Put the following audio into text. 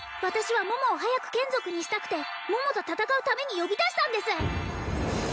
私は桃を早く眷属にしたくて桃と戦うために呼び出したんです！